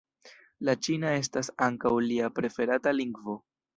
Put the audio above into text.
La ĉina estas ankaŭ lia preferata lingvo.